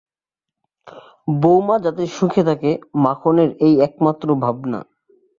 বউমা যাতে সুখে থাকে, মাখনের এই একমাত্র ভাবনা।